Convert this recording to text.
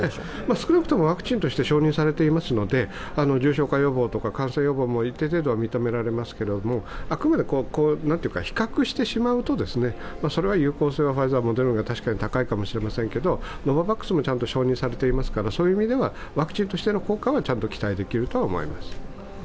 少なくともワクチンとして承認されていますので重症化予防や感染予防も一定程度は認められますけれども、あくまで比較してしまうと、それは有効性はファイザー、モデルは確かに高いかもしれませんけれども、ノババックスもちゃんと承認されていますから、そういう意味ではワクチンとしての効果はちゃんと期待できると思います。